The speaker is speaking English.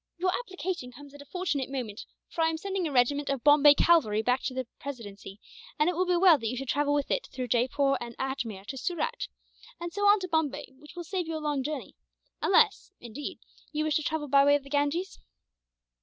"Your application comes at a fortunate moment, for I am sending a regiment of Bombay cavalry back to their presidency, and it will be well that you should travel with it through Jaipore and Ajmeer to Surat, and so on to Bombay, which will save you a long journey unless, indeed, you wish to travel by way of the Ganges."